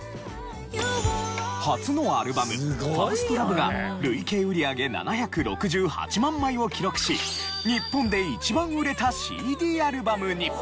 初のアルバム『ＦｉｒｓｔＬｏｖｅ』が累計売上７６８万枚を記録し日本で一番売れたＣＤアルバムに。